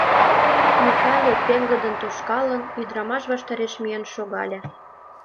Микале, пеҥгыдын тошкалын, ӱдрамаш ваштареш миен шогале.